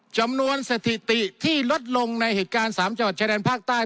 สถิติที่ลดลงในเหตุการณ์๓จังหวัดชายแดนภาคใต้